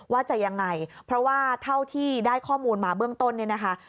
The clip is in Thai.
ว่าจะยังไงเพราะว่าเท่าที่ได้ข้อมูลมาเบื้องต้นเนี่ยนะคะ